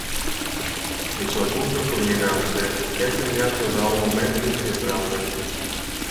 Il suo punto culminante è segnato da un ometto in pietrame.